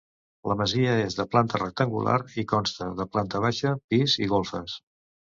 La masia és de planta rectangular i consta de planta baixa, pis i golfes.